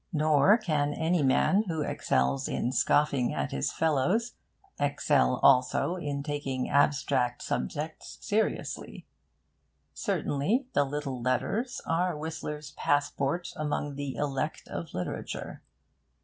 Nor can any man who excels in scoffing at his fellows excel also in taking abstract subjects seriously. Certainly, the little letters are Whistler's passport among the elect of literature.